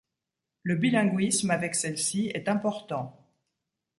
Le bilinguisme avec celle-ci est important.